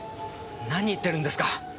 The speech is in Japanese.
何言ってるんですか。